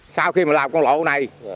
sau khi mà làm con lỗ này